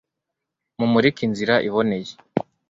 mumurike inzira iboneye